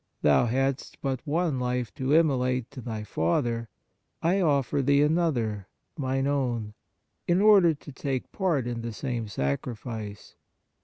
Thou hadst but one life to immolate to Thy Father ; I offer Thee another, mine own, in order to take part in the same sacrifice.